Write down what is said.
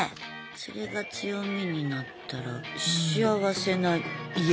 それが強みになったら幸せな家になるよね。